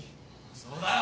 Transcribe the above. そうだよ。